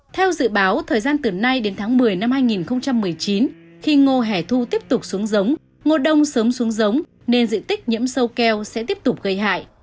theo dự báo thời gian từ nay đến tháng một mươi năm hai nghìn một mươi chín khi ngô hẻ thu tiếp tục xuống giống ngô đông sớm xuống giống nên diện tích nhiễm sâu keo sẽ tiếp tục gây hại